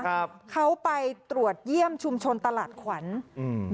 ครับเขาไปตรวจเยี่ยมชุมชนตลาดขวัญอืม